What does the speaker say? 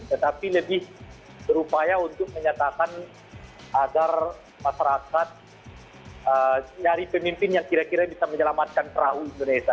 tetapi lebih berupaya untuk menyatakan agar masyarakat nyari pemimpin yang kira kira bisa menyelamatkan perahu indonesia